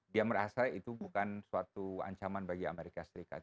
dia merasa itu bukan suatu ancaman bagi amerika serikat